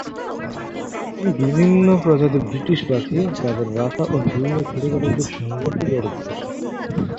তিনি বিভিন্ন প্রজাতির ব্রিটিশ পাখি, তাদের বাসা ও ডিম নিয়ে ছোটখাটো একটি সংগ্রহ গড়ে তোলেন।